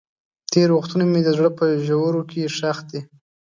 تېر وختونه مې د زړه په ژورو کې ښخ دي.